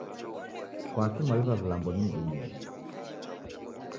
Kwakii mwaliw'a vilambo nimdumieghe?